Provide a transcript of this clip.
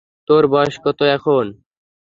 তোর বয়স কত এখন?